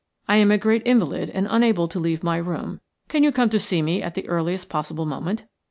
I am a great invalid and unable to leave my room. Can you come to see me at the earliest possible moment?